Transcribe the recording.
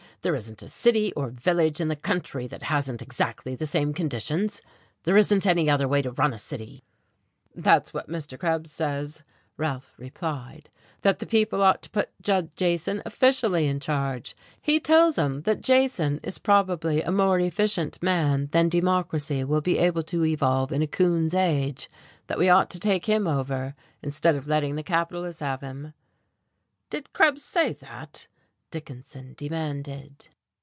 There isn't a city or village in the country that hasn't exactly the same conditions. There isn't any other way to run a city " "That's what Mr. Krebs says," Ralph replied, "that the people ought to put Judd Jason officially in charge. He tells 'em that Jason is probably a more efficient man than Democracy will be able to evolve in a coon's age, that we ought to take him over, instead of letting the capitalists have him." "Did Krebs say that?" Dickinson demanded.